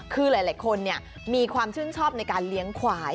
คือหลายคนมีความชื่นชอบในการเลี้ยงควาย